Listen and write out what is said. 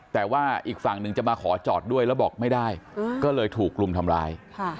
แต่ว่าอีกฝั่งหนึ่งจะมาขอจอดด้วยแล้วบอกไม่ได้ก็เลยถูกรุมทำร้าย